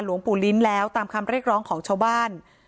หลวงปู่ลิ้นแล้วตามคำเรียกร้องของชาวบ้าน